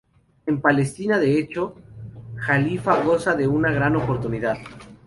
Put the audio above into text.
En Palestina, de hecho, Jalifa goza de una gran popularidad.